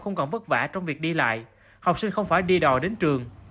không còn vất vả trong việc đi lại học sinh không phải đi đò đến trường